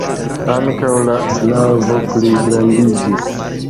Ankaŭ la navo pligrandiĝis.